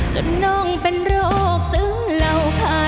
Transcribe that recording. ช่วยฝังดินหรือกว่า